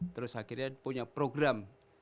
terus akhirnya punya program